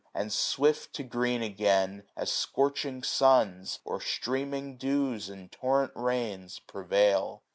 And swift to green again as scorching suns. Or streaming dews and torrent rains, prevail.